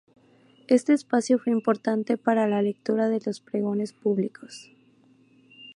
Este espacio fue importante para la lectura de los pregones públicos.